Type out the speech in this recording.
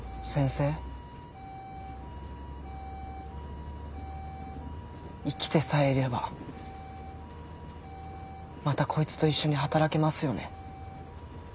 生きてさえいればまたこいつと一緒に働けますよね？